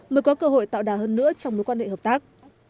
mới có cơ hội tạo đà hơn nữa trong mối quan hệ hợp tác